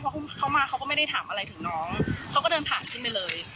เพราะเขามาเขาก็ไม่ได้ถามอะไรถึงน้องเขาก็เดินผ่านขึ้นไปเลย